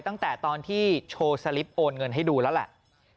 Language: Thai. ตั้งแต่ตอนที่โชว์สลิปโอนเงินให้ดูแล้วแหละ